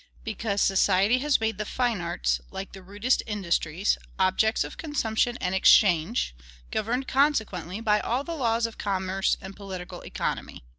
Because society has made the fine arts, like the rudest industries, objects of consumption and exchange, governed consequently by all the laws of commerce and political economy.